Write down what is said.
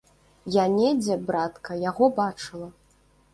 Я недзе, братка, яго бачыла.